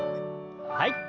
はい。